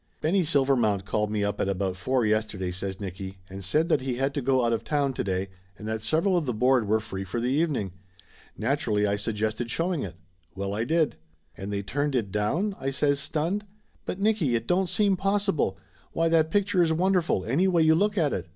"Benny Silvermount called me up at about four yesterday," says Nicky, "and said that he had to go out of town to day and that several of the board were free for the evening. Naturally I suggested showing it. Well, I did!" "And they turned it down ?" I says, stunned. "But Nicky, it don't seem possible. Why, that picture is wonderful, any way you look at it.